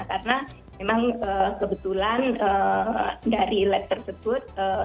karena memang kebetulan dari lab tersebut